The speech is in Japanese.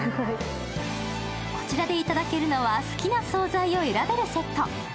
こちらでいただけるのは好きな総菜を選べるセット。